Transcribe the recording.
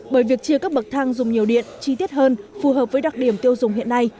bởi việc chia các bậc thang dùng nhiều điện chi tiết hơn phù hợp với đặc điểm tiêu dùng hiện nay